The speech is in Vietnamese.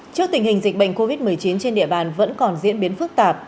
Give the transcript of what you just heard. trước tình hình dịch bệnh covid một mươi chín trên địa bàn vẫn còn diễn biến phức tạp